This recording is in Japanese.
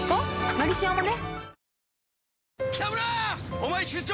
「のりしお」もね